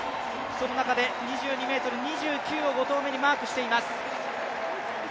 その中で２２ｍ２９を５投目にマークしています。